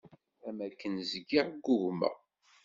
Am akken zgiɣ ggugmeɣ.